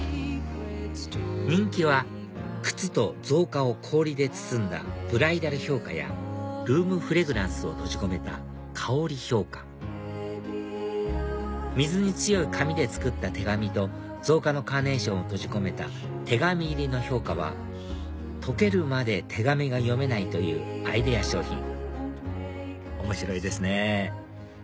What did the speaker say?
人気は靴と造花を氷で包んだブライダル氷華やルームフレグランスを閉じ込めた香氷華水に強い紙で作った手紙と造花のカーネーションを閉じ込めた手紙入りの氷華は解けるまで手紙が読めないというアイデア商品面白いですね